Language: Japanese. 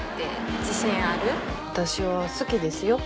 私は好きですよ。